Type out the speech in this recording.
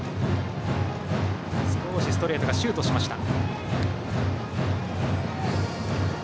少しストレートはシュートしました。